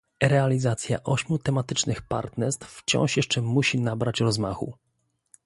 Realizacja ośmiu tematycznych partnerstw wciąż jeszcze musi nabrać rozmachu